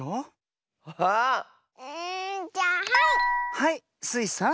はいスイさん。